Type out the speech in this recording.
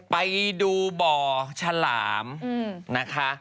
ไปดูบ่อฉลามนะคะ